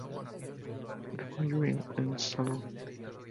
La Marolle-en-Sologne